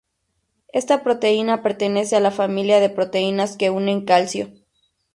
Esta proteína pertenece a la familia de proteínas que unen calcio.